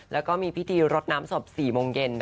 แล้วก็มีพิธีรดน้ำศพ๔โมงเย็น